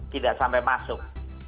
tidak sampai masuk